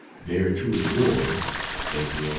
Very truly yours, S. L.